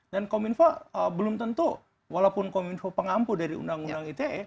dan kominfo belum tentu walaupun kominfo pengampu dari undang undang itu